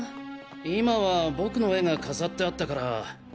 今は僕の絵が飾ってあったから。